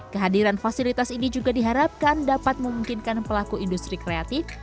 kehadiran fasilitas ini juga diharapkan dapat memungkinkan pelaku industri kreatif